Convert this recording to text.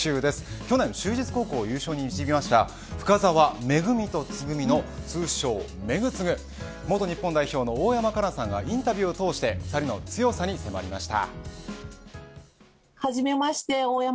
去年、就実高校を優勝に導いた深澤めぐみとつぐみの通称めぐつぐ元日本代表の大山加奈さんがインタビューを通して２人の強さに迫りました。